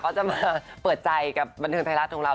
เขาจะมาเปิดใจกับบันเทิงไทยรัฐของเรา